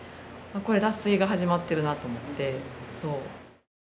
これ脱水が始まってるなと思って。